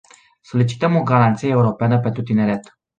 Solicităm o "Garanție europeană pentru tineret”.